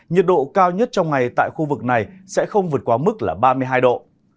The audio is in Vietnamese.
nhiệt độ cao nhất trong ngày tại khu vực này sẽ không vượt qua mức ba mươi hai độ